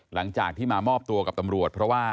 หลังจากที่มามอบตัวกับตำรวจเพราะว่า